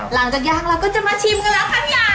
หลังจากย้างเราก็จะมาชิมกันแล้วครับข้างหยาน